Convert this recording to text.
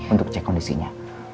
untuk cek kondisinya